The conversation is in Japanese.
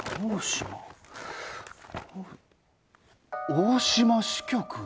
大島支局。